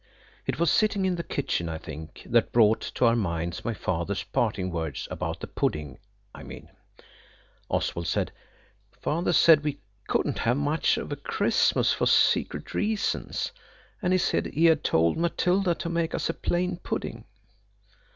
It was sitting in the kitchen, I think, that brought to our minds my father's parting words–about the pudding, I mean. Oswald said, "Father said we couldn't have much of a Christmas for secret reasons, and he said he had told Matilda to make us a plain pudding."